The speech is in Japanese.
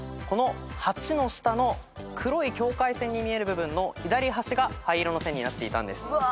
この８の下の黒い境界線に見える部分の左端が灰色の線になっていたんです。